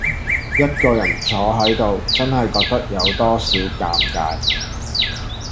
一個人坐喺度，真係覺得有多少尷尬